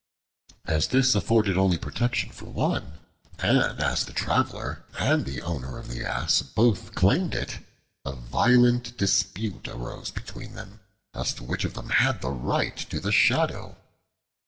As this afforded only protection for one, and as the Traveler and the owner of the Ass both claimed it, a violent dispute arose between them as to which of them had the right to the Shadow.